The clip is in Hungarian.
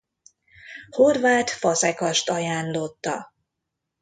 Horváth Fazekast ajánlotta.